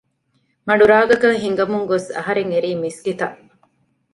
މަޑު ރާގަކަށް ހިނގަމުން ގޮސް އަހަރެން އެރީ މިސްކިތަށް